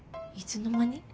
いつの間に？